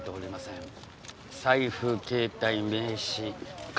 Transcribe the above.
財布携帯名刺鍵。